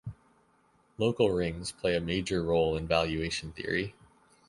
Local rings play a major role in valuation theory.